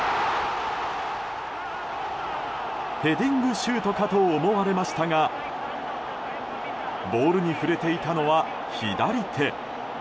ヘディングシュートかと思われましたがボールに触れていたのは左手。